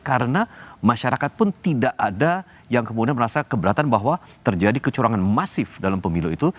karena masyarakat pun tidak ada yang kemudian merasa keberatan bahwa terjadi kecurangan masif dalam pemilu itu